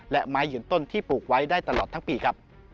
และไม้ยืนต้นที่ปลูกไว้ได้ตลอดทั้งปีครับ